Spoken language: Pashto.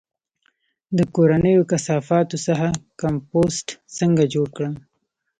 د کورنیو کثافاتو څخه کمپوسټ څنګه جوړ کړم؟